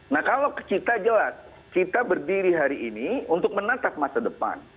nah kalau kita jelas kita berdiri hari ini untuk menatap masa depan